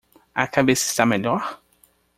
A cabeça está melhor?